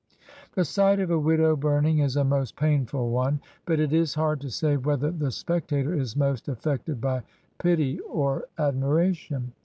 The sight of a widow burning is a most painful one; but it is hard to say whether the spectator is most af fected by pity or admiration.